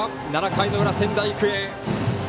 ７回の裏、仙台育英！